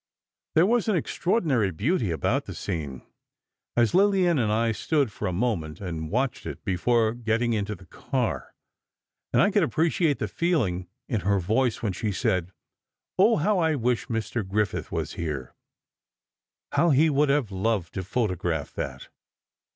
There was an extraordinary beauty about the scene, as Lillian and I stood for a moment and watched it before getting into the car, and I could appreciate the feeling in her voice when she said "Oh, how I wish Mr. Griffith was here. How he would have loved to photograph that."